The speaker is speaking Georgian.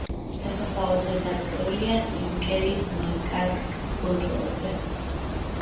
სასაფლაოზე დაკრძალულია იუნკერი მაკარ ბურჭულაძე.